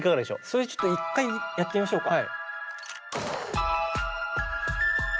それちょっと一回やってみましょうか。